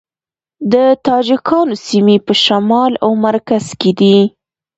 د تاجکانو سیمې په شمال او مرکز کې دي